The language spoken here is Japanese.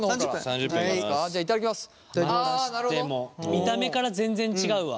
見た目から全然違うわ。